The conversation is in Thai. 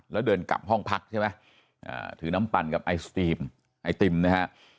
แล้วเดินกลับห้องพักใช่ไหมถือน้ำปั่นกับไอศตรีมไอติมนะฮะ